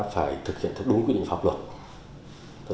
phải thực hiện theo đúng quy định pháp luật